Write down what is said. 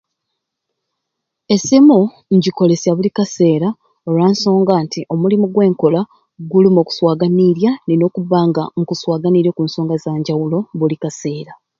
Esimu ngyikolseya buli kaseera olwa nsonga nti omulimu gwenkola mulimu okuswaganirya nina okuba nga nkuswaganirya oku nsonga ezanjawulo buli kaseera